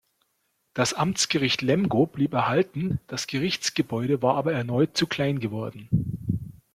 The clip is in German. Das Amtsgericht Lemgo blieb erhalten, das Gerichtsgebäude war aber erneut zu klein geworden.